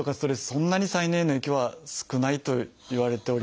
そんなに再燃への影響は少ないといわれております。